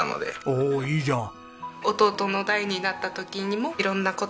おおいいじゃん！